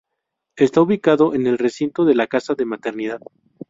Está ubicado en el recinto de la Casa de Maternidad.